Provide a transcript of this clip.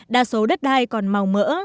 đa số đất đai còn màu mỡ